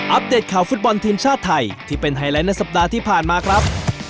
เดตข่าวฟุตบอลทีมชาติไทยที่เป็นไฮไลท์ในสัปดาห์ที่ผ่านมาครับ